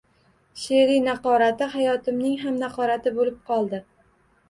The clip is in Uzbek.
She’riy naqorati hayotimning ham naqorati bo‘lib qoldi.